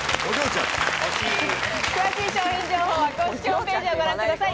詳しい商品情報は公式ホームページをご覧ください。